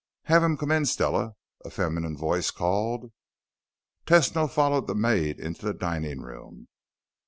"Have him come in, Stella," a feminine voice called. Tesno followed the maid into the dining room.